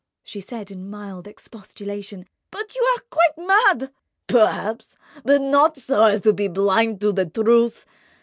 She said in mild expostulation: "But you are quite mad." "Perhaps—but not so as to be blind to the truth.